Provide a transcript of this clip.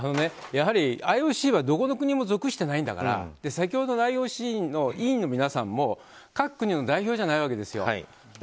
あのね、やはりＩＯＣはどこの国も所属していないんだから先ほどのＩＯＣの委員の皆さんも各国の代表じゃないわけですよ。